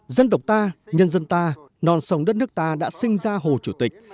dân tộc ta nhân dân ta non sông đất nước ta đã sinh ra hồ chủ tịch